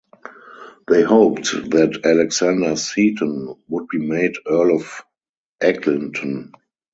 They hoped that Alexander Seton would be made Earl of Eglinton.